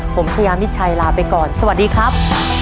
ผมชายามิดชัยลาไปก่อนสวัสดีครับ